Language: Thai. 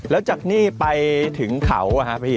แล้วจากนี่ไปถึงเขาอะครับพี่